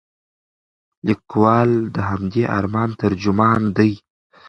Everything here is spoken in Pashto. لیکوال د همدې ارمان ترجمان دی.